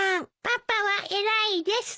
パパは偉いです。